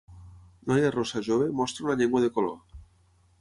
Noia rossa jove mostra una llengua de color